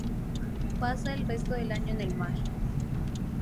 Pasa el resto del año en el mar.